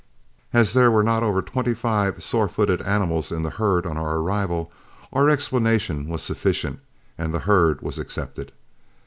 As there were not over twenty five sore footed animals in the herd on our arrival, our explanation was sufficient and the herd was accepted.